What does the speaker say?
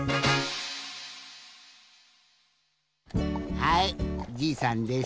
はいじいさんです。